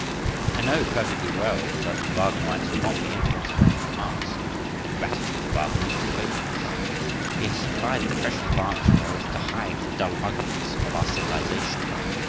I know perfectly well that the Wagnerites will not be influenced by these remarks. Their gratitude to Wagner is too great for this. He has supplied the precious varnish wherewith to hide the dull ugliness of our civilisation.